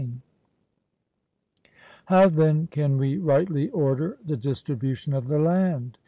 How then can we rightly order the distribution of the land?